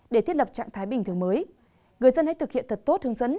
để thiết lập trạng thái bình thường mới người dân hãy thực hiện thật tốt hướng dẫn